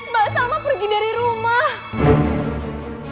mbak salma pergi dari rumah